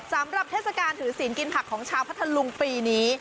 เทศกาลถือศีลกินผักของชาวพัทธลุงปีนี้